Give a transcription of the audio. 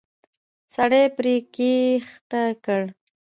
سړی پړی کښته کړ.